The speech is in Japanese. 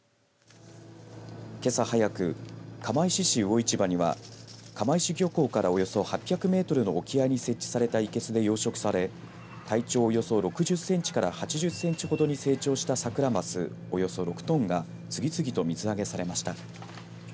けさ早く釜石市魚市場には釜石漁港からおよそ８００メートルの沖合に設置されたいけすで養殖され体長およそ６０センチから８０センチほどに成長したサクラマスおよそ６トンが次々と水揚げされました。